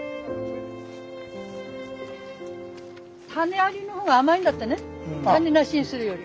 種ありの方が甘いんだってね種なしにするより。